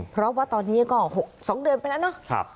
เพราะว่าตอนนี้ก็๖๒เดือนไปแล้วเนาะ